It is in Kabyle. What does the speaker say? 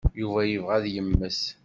Yuba yebɣa ad yemmet.